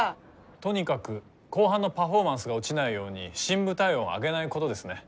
とにかく後半のパフォーマンスが落ちないように深部体温を上げないことですね。